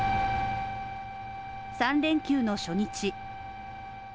３連休の初日。